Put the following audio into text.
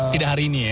tidak hari ini ya